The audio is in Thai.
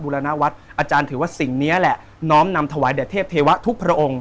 รณวัฒน์อาจารย์ถือว่าสิ่งนี้แหละน้อมนำถวายแด่เทพเทวะทุกพระองค์